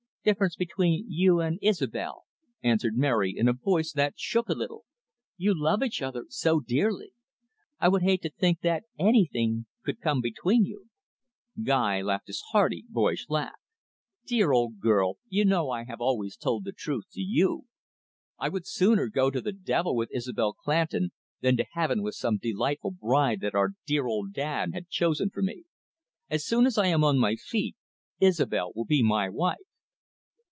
"Difference between you and Isobel?" answered Mary, in a voice that shook a little. "You love each other so dearly. I would hate to think that anything could come between you." Guy laughed his hearty, boyish laugh. "Dear old girl, you know I have always told the truth to you. I would sooner go to the devil with Isobel Clandon, than to heaven with some delightful bride that our dear old dad had chosen for me. As soon as I am on my feet, Isobel will be my wife."